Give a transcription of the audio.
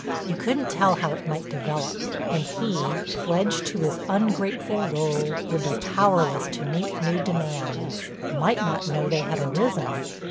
You couldn't tell how it might develop, and he, pledged to his ungrateful rôle, would be powerless to meet new demands, might not know they had arisen.